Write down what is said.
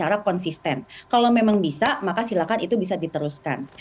apakah memang cash flow yang dihasilkan itu bisa menurut anda